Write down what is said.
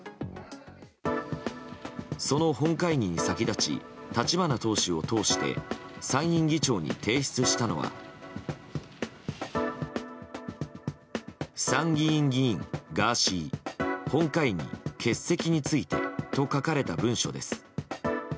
その本会議に先立ち立花党首を通して参院議長に提出したのは参議院議員、ガーシー本会議欠席についてと書かれた文書です。